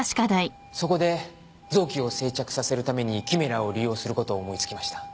そこで臓器を生着させるためにキメラを利用する事を思いつきました。